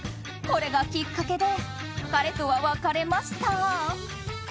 これがきっかけで彼とは別れました。